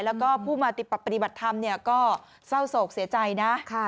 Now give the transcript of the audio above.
แล้วก็ผู้มาปฏิบัติธรรมเนี่ยก็เศร้าโศกเสียใจนะ